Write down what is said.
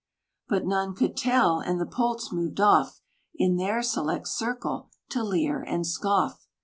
But none could tell; and the poults moved off, In their select circle to leer and scoff.